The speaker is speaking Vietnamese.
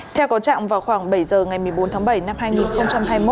theo có trạng vào khoảng bảy giờ ngày một mươi bốn tháng bảy năm hai nghìn hai mươi một